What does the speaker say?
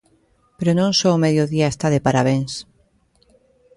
Pero non só o mediodía está de parabéns.